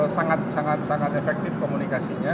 saya kira sangat efektif komunikasinya